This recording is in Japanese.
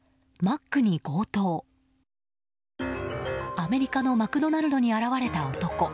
アメリカのマクドナルドに現れた男。